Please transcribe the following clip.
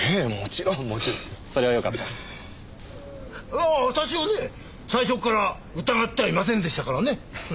ああ私はね最初から疑ってはいませんでしたからね。